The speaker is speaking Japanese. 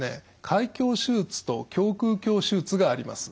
開胸手術と胸腔鏡手術があります。